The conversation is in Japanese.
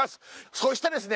そしてですね